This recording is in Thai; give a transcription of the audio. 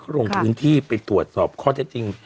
เขาลงทืองที่ไปตรวจสอบข้อเจ้าจริง